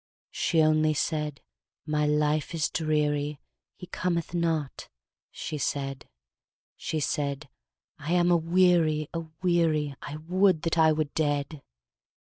She only said, 'My life is dreary, He cometh not,' she said; She said, 'I am aweary, aweary, I would that I were dead!'